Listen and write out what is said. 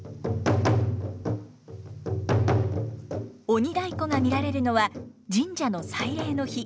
鬼太鼓が見られるのは神社の祭礼の日。